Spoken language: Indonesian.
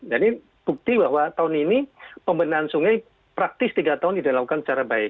jadi bukti bahwa tahun ini pembenahan sungai praktis tiga tahun sudah dilakukan secara baik